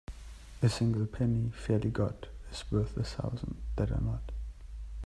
A single penny fairly got is worth a thousand that are not.